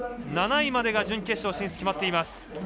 ７位までが準決勝進出決まっています。